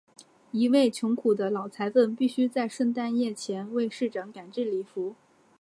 一位穷苦的老裁缝必须在圣诞夜前为市长赶制礼服。